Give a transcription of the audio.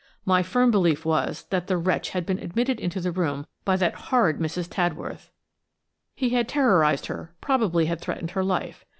My firm belief was that the wretch had been admitted into the room by that horrid Mrs. Tadworth. He had terrorised her, probably had threatened her life.